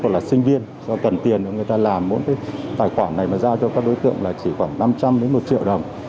hoặc là sinh viên do cần tiền người ta làm mỗi cái tài khoản này mà giao cho các đối tượng là chỉ khoảng năm trăm linh đến một triệu đồng